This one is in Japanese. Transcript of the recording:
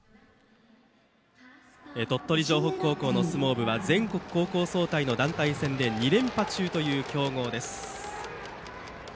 鳥取城北高校の相撲部は全国高校総体の団体戦で２連覇中という強豪です。